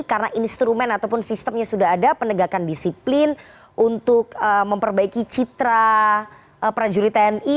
karena instrumen ataupun sistemnya sudah ada penegakan disiplin untuk memperbaiki citra prajurit tni